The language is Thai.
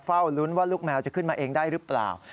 เฝ้าลุ้นว่าลูกแมวจะขึ้นมาเองได้หรือเปล่า